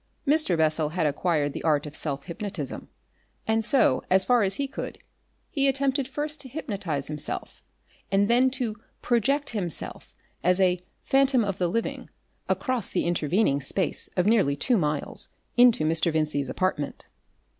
Mr. Bessel had acquired the art of self hypnotism, and, so far as he could, he attempted first to hypnotise himself and then to project himself as a "phantom of the living" across the intervening space of nearly two miles into Mr. Vincey's apartment.